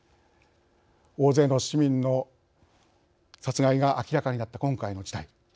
大勢の市民の殺害が明らかになった今回の事態。